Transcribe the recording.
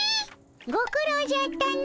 ご苦労じゃったの。